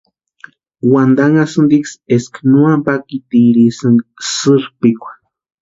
Wantanhasïntiksï eska no ampatirisïnka sïrpikwa.